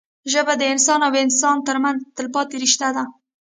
ژبه د انسان او انسان ترمنځ تلپاتې رشته ده